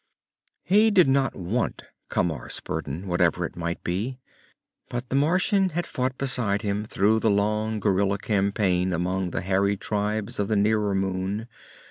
He did not want Camar's burden, whatever it might be. But the Martian had fought beside him through a long guerilla campaign among the harried tribes of the nearer moon.